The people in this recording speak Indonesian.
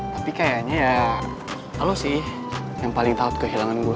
tapi kayaknya ya allah sih yang paling tahu kehilangan gue